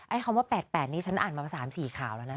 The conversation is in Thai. คำว่า๘๘นี้ฉันอ่านมา๓๔ข่าวแล้วนะ